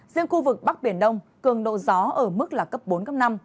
riêng khu vực bắc biển đông cường độ gió ở mức là cấp bốn cấp năm